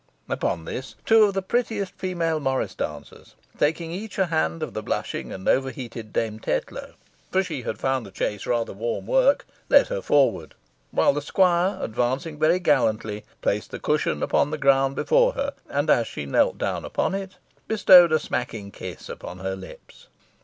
Upon this two of the prettiest female morris dancers, taking each a hand of the blushing and overheated Dame Tetlow, for she had found the chase rather warm work, led her forward; while the squire advancing very gallantly placed the cushion upon the ground before her, and as she knelt down upon it, bestowed a smacking kiss upon her lips.